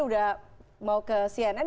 udah mau ke cnn